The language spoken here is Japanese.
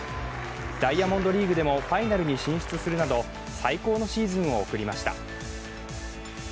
ダイヤモンドリーグでもファイナルに進出するなど最高のシーズンを送りました。